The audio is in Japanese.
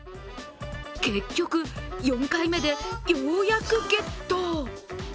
結局、４回目でようやくゲット。